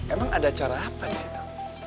emang ada cara apa di situ